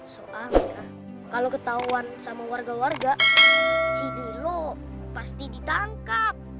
soalnya kalau ketahuan sama warga warga si dulu pasti ditangkap